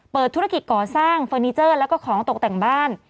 ธุรกิจก่อสร้างเฟอร์นิเจอร์แล้วก็ของตกแต่งบ้าน